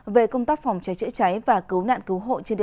về hội sức cấp cứu